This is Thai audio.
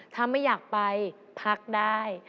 ถ้าไม่อยากไปพักได้